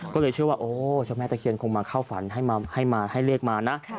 ก็เลยเชื่อว่าโอ้เจ้าแม่ตะเคียนคงมาเข้าฝันให้มาให้เลขมานะ